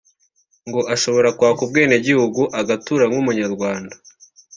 ngo ashobora kwaka ubwenegihugu agatura nk’umunyarwanda